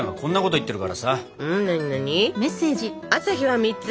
「朝日は、３つ！」。